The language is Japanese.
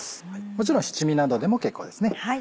もちろん七味などでも結構です。